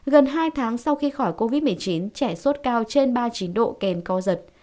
gần hai tháng sau khi khỏi covid một mươi chín trẻ sốt cao trên ba mươi chín độ kèm co giật